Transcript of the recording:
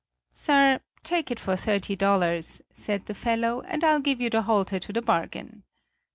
"'Sir, take it for thirty dollars,' said the fellow, 'and I'll give you the halter to the bargain.'